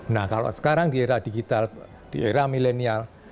nah kalau sekarang di era digital di era milenial